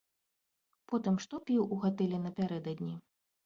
Потым, што піў ў гатэлі напярэдадні.